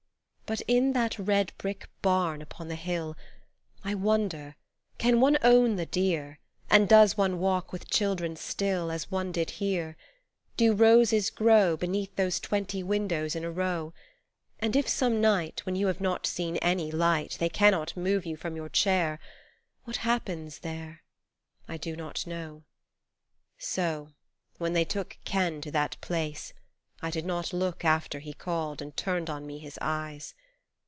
But in that red brick barn upon the hill I wonder can one own the deer, And does one walk with children still As one did here Do roses grow Beneath those twenty windows in a row And if some night When you have not seen any light They cannot move you from your chair What happens there ? I do not know. So, when they took Ken to that place, I did not look After he called and turned on me His eyes.